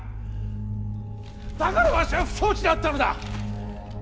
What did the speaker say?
だからわしは不承知だったのだ。